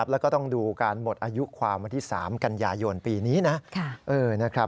แล้วก็ต้องดูการหมดอายุความวันที่๓กันยายนปีนี้นะ